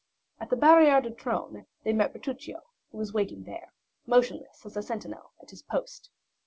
At the Barrière du Trône they met Bertuccio, who was waiting there, motionless as a sentinel at his post.